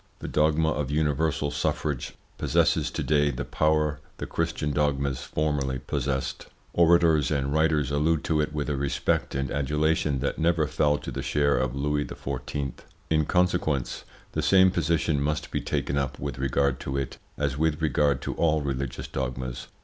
The dogma of universal suffrage possesses to day the power the Christian dogmas formerly possessed. Orators and writers allude to it with a respect and adulation that never fell to the share of Louis XIV. In consequence the same position must be taken up with regard to it as with regard to all religious dogmas.